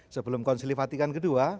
sebelum konsili fatikan ke dua